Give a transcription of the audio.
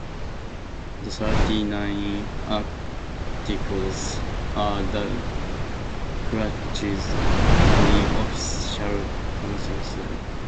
The Thirty-nine Articles are the church's only official confessional statement.